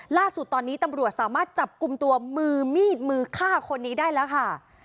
ล่าสุดตอนนี้ตำรวจสามารถจับกลุ่มตัวมือมีดมือฆ่าคนนี้ได้แล้วค่ะ